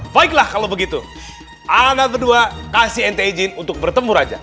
baiklah kalau begitu ana berdua kasih ente izin untuk bertemu raja